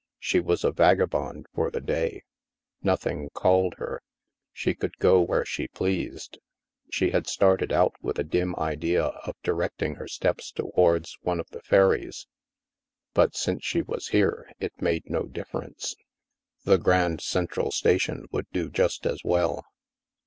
She was a vagabond for the day; nothing called her ; she could go where she pleased. She had started out with a dim idea of directing her steps towards one of the ferries ; but since she was here, it made no difference. The Grand Central Station would do just as well.